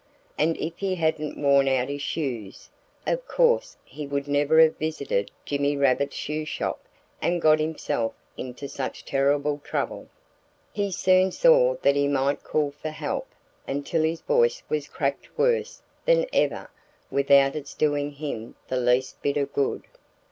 And if he hadn't worn out his shoes, of course he would never have visited Jimmy Rabbit's shoe shop and got himself into such terrible trouble. He soon saw that he might call for help until his voice was cracked worse than ever without its doing him the least bit of good.